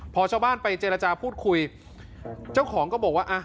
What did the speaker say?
พอชาวบ้านไปเจรจาพูดคุยเจ้าของก็บอกว่าอ่ะ